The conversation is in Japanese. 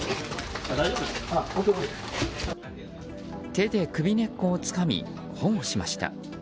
手で首根っこをつかみ保護しました。